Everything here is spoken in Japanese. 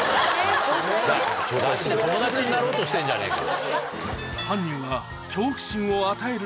なぁ友達になろうとしてんじゃねえか。